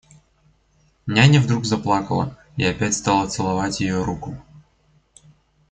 Няня вдруг заплакала и опять стала целовать ее руку.